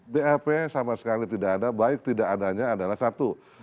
bap sama sekali tidak ada baik tidak adanya adalah satu